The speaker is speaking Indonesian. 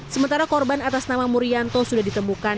sementara korban atas nama murianto sudah ditemukan